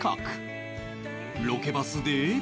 ロケバスで